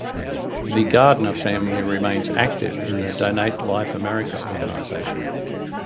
The Gardner family remains active in the Donate Life America organization.